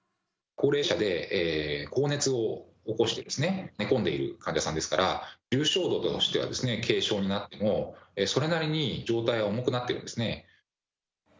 高齢者で、高熱を起こしてですね、寝込んでいる患者さんですから、重症度としては軽症になっても、それなりに状態は重くなってるんですね。